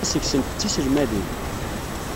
Kra seg-sent d tiselmadin.